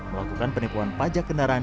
melakukan penipuan pajak kendaraan